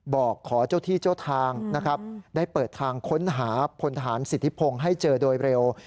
บอกขอเจ้าที่เจ้าทางนะครับได้เปิดทางค้นหาพลทหารสิทธิพงศ์ให้เจอโดยเร็ว